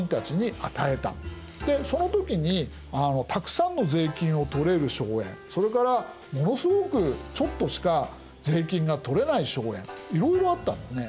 でその時にたくさんの税金を取れる荘園それからものすごくちょっとしか税金が取れない荘園いろいろあったんですね。